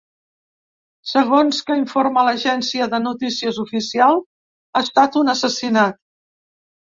Segons que informa l’agència de notícies oficial ha estat un assassinat.